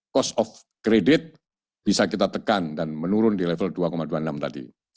cost of credit bisa kita tekan dan menurun di level dua dua puluh enam tadi